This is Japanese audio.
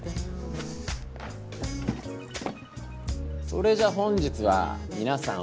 それじゃ本日はみなさん